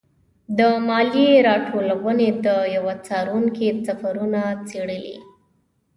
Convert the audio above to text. د مالیې راټولونې د یوه څارونکي سفرونه څېړلي.